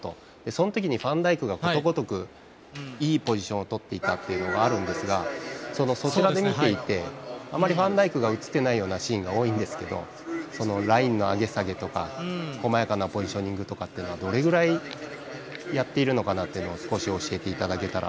そのときにファンダイクがことごとくいいポジションをとっていたというのもあるんですがそちらで見ていてあまりファンダイクが映っていないようなシーンが多いんですけどラインの上げ下げとか細やかなポジショニングとかどれぐらいやっているのかなというのを少し教えていただけたら。